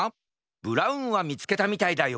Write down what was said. ブラウンはみつけたみたいだよ